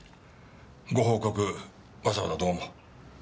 ご報告わざわざどうも。